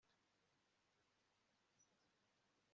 Ntawundi ariko urashobora kunshimisha